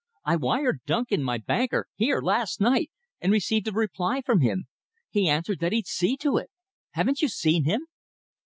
"I wired Duncan, my banker, here last night, and received a reply from him. He answered that he'd see to it. Haven't you seen him?"